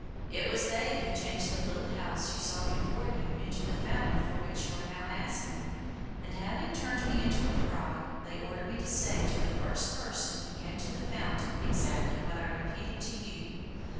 It was they who changed the little house you saw before you into the fountain for which you are now asking, and, having turned me into a frog, they ordered me to say to the first person who came to the fountain exactly what I repeated to you.